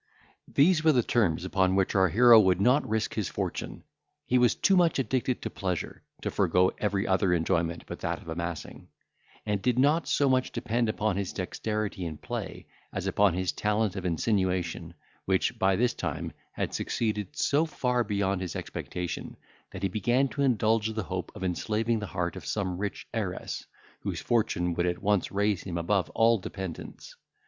These were terms upon which our hero would not risk his fortune; he was too much addicted to pleasure to forego every other enjoyment but that of amassing; and did not so much depend upon his dexterity in play as upon his talent of insinuation, which, by this time, had succeeded so far beyond his expectation, that he began to indulge the hope of enslaving the heart of some rich heiress, whose fortune would at once raise him above all dependence.